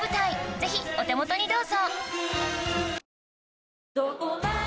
ぜひお手元にどうぞ！